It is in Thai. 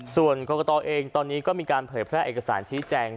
ส่วนกรกตเองตอนนี้ก็มีการเผยแพร่เอกสารชี้แจง